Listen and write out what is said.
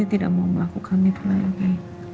berhenti tidak mau melakukan ini